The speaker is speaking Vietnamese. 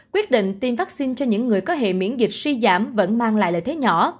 quyết định tiêm vaccine cho những người có hệ miễn dịch suy giảm vẫn mang lại lợi thế nhỏ